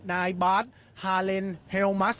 นายบาทฮาเลนเฮลมัส